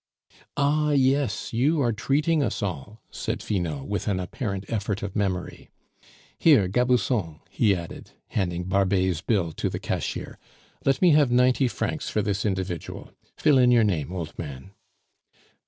"Ah! yes, you are treating us all," said Finot, with an apparent effort of memory. "Here, Gabusson," he added, handing Barbet's bill to the cashier, "let me have ninety francs for this individual. Fill in your name, old man."